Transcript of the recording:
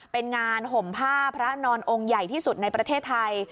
เป็นงานห่มผ้าพระนอนองค์ใหญ่ที่สุดในประเทศไทย